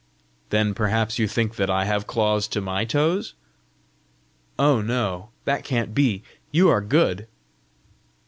"Then perhaps you think that I have claws to my toes?" "Oh, no; that can't be! you are good!"